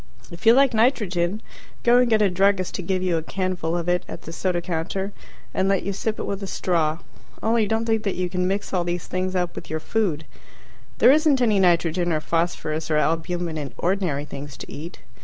If you like nitrogen, go and get a druggist to give you a canful of it at the soda counter, and let you sip it with a straw. Only don't think that you can mix all these things up with your food. There isn't any nitrogen or phosphorus or albumen in ordinary things to eat.